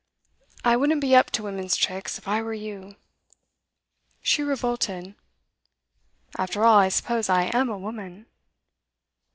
I wouldn't be up to women's tricks, if I were you.' She revolted. 'After all, I suppose I am a woman?